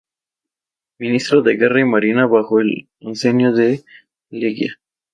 Ministro de Guerra y Marina bajo el Oncenio de Leguía.